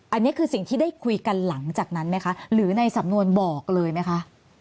อันนี้คือสิ่งที่ได้คุยกันหลังจากนั้นไหมคะหรือในสำนวนบอกเลยไหมคะ